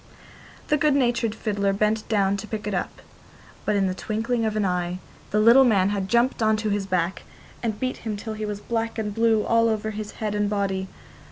The good natured fiddler bent down to pick it up, but in the twinkling of an eye the little man had jumped on to his back, and beat him till he was black and blue all over his head and body.